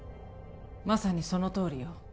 まさにそのとおりよ